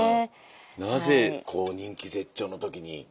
なぜ人気絶頂の時に？